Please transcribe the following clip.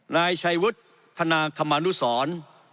นายชัยวุฒิธนาคมานุสร